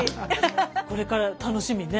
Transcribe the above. これから楽しみね。